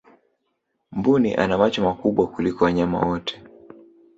mbuni ana macho makubwa kuliko wanyama wote